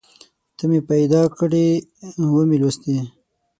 ته مې پیدا کړې ومې لوستې